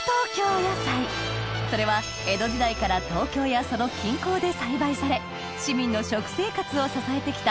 それは江戸時代から東京やその近郊で栽培され市民の食生活を支えて来た